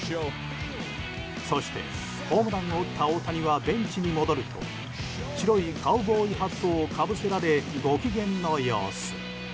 そして、ホームランを打った大谷はベンチに戻ると白いカウボーイハットをかぶせられ、ご機嫌の様子。